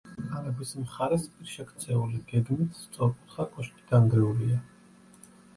არაგვის მხარეს პირშექცეული, გეგმით სწორკუთხა კოშკი დანგრეულია.